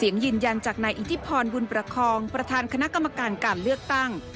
ยืนยันจากนายอิทธิพรบุญประคองประธานคณะกรรมการการเลือกตั้ง